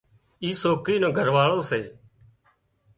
اي سوڪرِي نو گھر واۯو سي